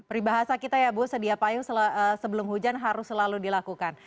peribahasa kita ya bu sedia payung sebelum hujan harus selalu dilakukan